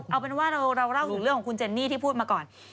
เอาเป็นว่าเราเล่าถึงเรื่องของคุณเจนนี่ที่พูดมาก่อน